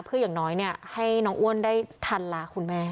เพื่ออย่างน้อยให้น้องอ้วนได้ทันลาคุณแม่